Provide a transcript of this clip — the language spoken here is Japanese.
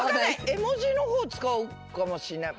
絵文字の方使うかもしんない。